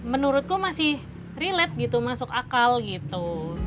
menurutku masih relate gitu masuk akal gitu